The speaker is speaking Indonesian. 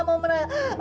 aduh aduh aduh aduh